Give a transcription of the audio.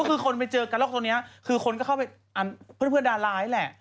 ก็คือคนไปเจอกันหรอกตอนนี้คือคนก็เข้าไปเพื่อนดาร์ไลน์แหละ